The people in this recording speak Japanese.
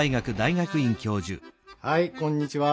はいこんにちは。